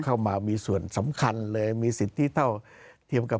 เข้ามามีส่วนสำคัญเลยมีสิทธิเท่าเทียมกับ